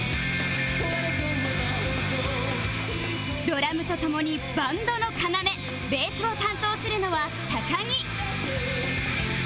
ドラムと共にバンドの要ベースを担当するのは高木